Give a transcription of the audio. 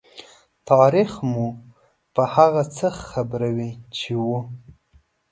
تاریخ مو په هغه څه خبروي چې وو.